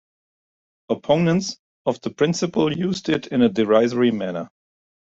Opponents of the principle used it in a derisory manner.